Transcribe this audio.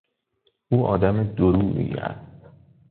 او آدم دورویی است.